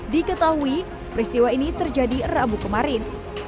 diketahui peristiwa ini terjadi rabu kemarin